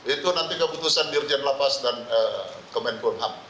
itu nanti keputusan dirjen lapas dan kemenkumham